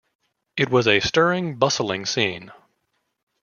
It was a stirring, bustling scene.